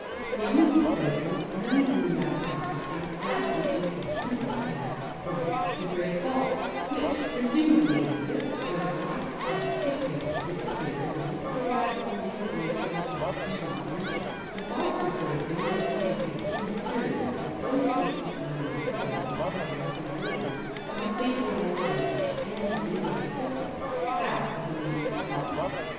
The only displacements known in the Yakutat system south and east of Pinnacle pass is the great fault which presumably exists where the rocks of the foothills disappear beneath the gravel and glaciers of the Pied mont region, the faults referred to belonging to the same series as those which determine the southern and southwestern borders of the St. Elias range and many £)f the foothills south of the main escarpment.